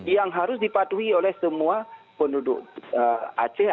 yang harus dipatuhi oleh semua penduduk aceh